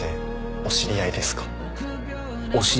お知り合いですか？